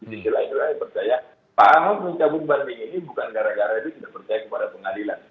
di sisi lain saya percaya pak ahok mencabut banding ini bukan gara gara dia tidak percaya kepada pengadilan